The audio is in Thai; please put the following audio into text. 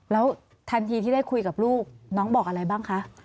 แล้วทันทีที่ได้คุยกับลูกน้องบอกอะไรบ้างคะ